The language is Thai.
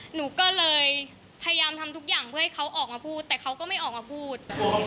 หนูก็เลยพยายามทำทุกอย่างเพื่อให้เขาออกมาพูดแต่เขาก็ไม่ออกมาพูด